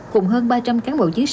cùng hơn ba trăm linh cán bộ chiến sĩ